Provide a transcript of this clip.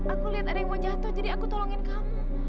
aku lihat ada yang mau jatuh jadi aku tolongin kamu